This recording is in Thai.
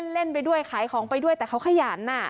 เล่นไปด้วยขายของไปด้วยแต่เขาขยัน